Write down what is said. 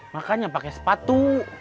makanya pake sepatu